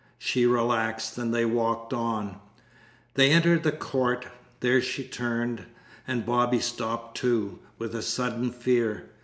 She relaxed and they walked on. They entered the court. There she turned, and Bobby stopped, too, with a sudden fear.